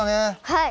はい。